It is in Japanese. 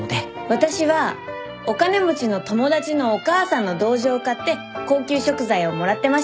私はお金持ちの友達のお母さんの同情を買って高級食材をもらってました。